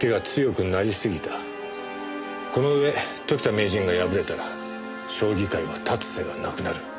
この上時田名人が敗れたら将棋界は立つ瀬がなくなる。